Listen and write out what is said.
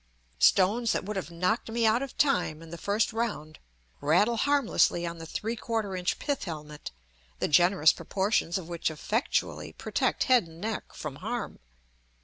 Stones that would have knocked me out of time in the first round rattle harmlessly on the 3/4 inch pith helmet, the generous proportions of which effectually protect head and neck from harm.